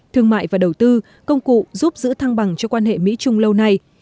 thương mại và đầu tư công cụ giúp giữ thăng bằng cho quan hệ mỹ trung lâu nay